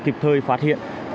kịp thời phát hiện